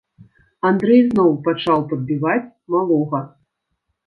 Андрэй зноў пачаў падбіваць малога.